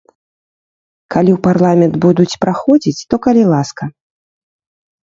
Калі ў парламент будуць праходзіць, то калі ласка.